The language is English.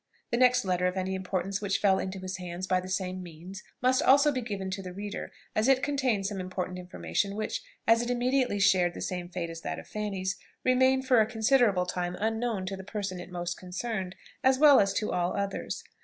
The next letter of any importance which fell into his hands by the same means must also be given to the reader, as it contains some important information which, as it immediately shared the same fate as that of Fanny's, remained for a considerable time unknown to the person it most concerned, as well as to all others.